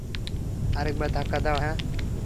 আরেকবার ধাক্কা দাও, হ্যাঁ।